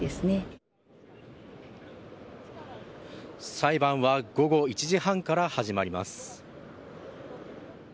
裁判は午後１時半から始まります。